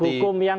produk hukum yang